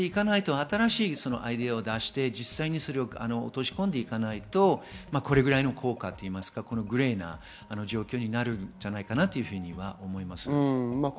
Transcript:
新しいアイデアを出して落とし込んでいかないとこれぐらいの効果、グレーな状況になるんじゃないかなと思います。